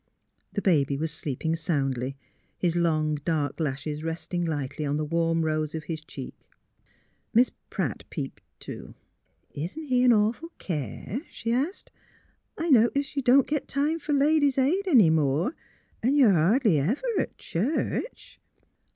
The baby was sleep ing soundly, his long dark lashes resting lightly on the warm rose of his cheek. Miss Pratt peeped, too. '' Isn't he an awful care? " she asked. " I no tice you don't get time for Ladies' Aid any more, and you're hardly ever at church."